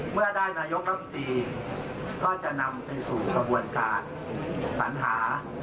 เมื่อได้นายกรัฐมนตรีก็จะนำไปสู่กระบวนการสัญหา